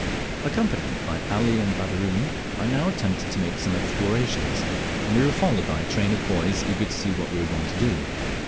Accompanied by Ali and Baderoon, I now attempted to make some explorations, and we were followed by a train of boys eager to see what we were going to do.